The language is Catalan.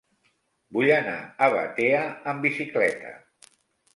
Vull anar a Batea amb bicicleta.